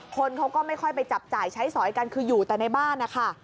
คนเขาก็ไม่ค่อยไปจับจ่ายใช้สอยกันคืออยู่แต่ในบ้านนะคะ